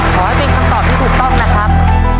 ขอให้เป็นคำตอบที่ถูกต้องนะครับ